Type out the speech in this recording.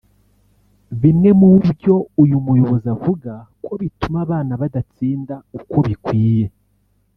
Bimwe mu byo uyu muyobozi avuga ko bituma abana badatsinda uko bikwiye